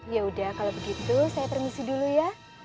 yaudah kalau begitu saya permisi dulu ya